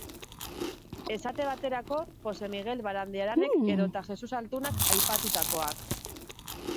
Esate baterako, Jose Migel Barandiaranek edota Jesus Altunak aipatutakoak.